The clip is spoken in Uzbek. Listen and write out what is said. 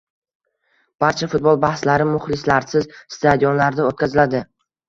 Barcha futbol bahslari muxlislarsiz stadionlarda o‘tkaziladi